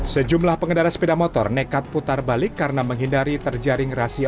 sejumlah pengendara sepeda motor nekat putar balik karena menghindari terjaring rahasia